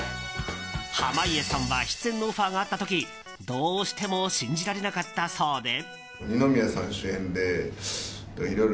濱家さんは出演のオファーがあった時どうしても信じられなかったそうで。